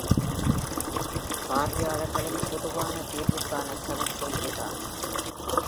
பார்வையாளர்களின் பொதுவான தீர்வுக்கான சமிக்ஞை இதுதான்.